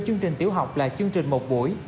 chương trình tiểu học là chương trình một buổi